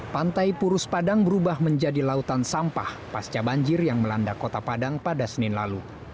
pantai purus padang berubah menjadi lautan sampah pasca banjir yang melanda kota padang pada senin lalu